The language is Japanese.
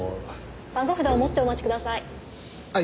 番号札を持ってお待ちください。